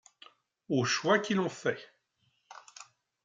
Aux choix qui l’ont fait.